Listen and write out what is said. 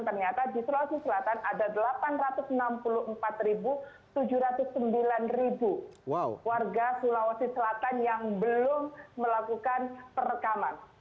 ternyata di sulawesi selatan ada delapan ratus enam puluh empat tujuh ratus sembilan warga sulawesi selatan yang belum melakukan perekaman